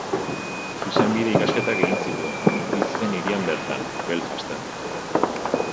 Zuzenbide-ikasketak egin zituen, bizi zen hirian bertan, Belfasten.